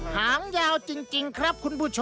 หางยาวจริงครับคุณผู้ชม